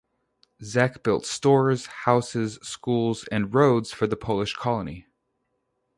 Zech built stores, houses, schools, and roads for the Polish colony.